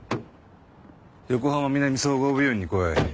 横浜南総合病院に来い。